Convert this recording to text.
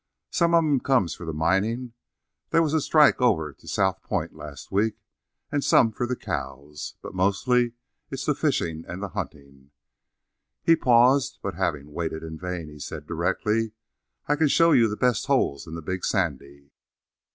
Some of 'em comes for the mining they was a strike over to South Point last week and some for the cows, but mostly it's the fishing and the hunting." He paused, but having waited in vain he said directly: "I can show you the best holes in the Big Sandy."